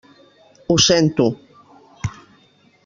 Ho sento.